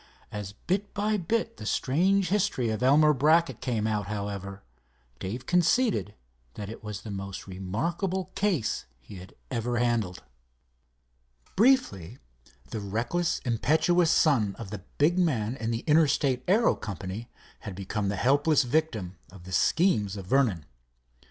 As bit by bit the strange history of Elmer Brackett came out, however, Dave conceded that it was the most remarkable case he had ever handled. Briefly, the reckless, impetuous son of the big man in the Interstate Aero Company had become the helpless victim of the schemes of Vernon.